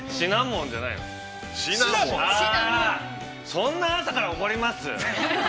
◆そんな朝から怒ります？